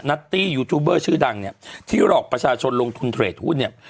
ัตตี้ยูทูบเบอร์ชื่อดังเนี่ยที่หลอกประชาชนลงทุนเทรดหุ้นเนี่ย